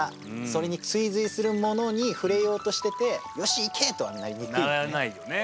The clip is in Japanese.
それに追ずいするものにふれようとしてて「よし行け！」とはなりにくいね。